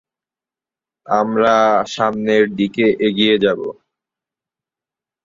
তবে, তুলনামূলকভাবে আন্তর্জাতিক ক্রিকেট অঙ্গনে অসফল ছিলেন তিনি।